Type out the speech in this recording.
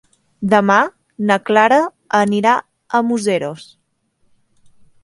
Demà na Clara anirà a Museros.